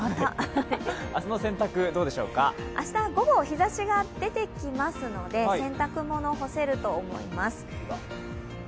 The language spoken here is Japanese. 明日は午後、日ざしが出てきますので、洗濯物、干せると思います。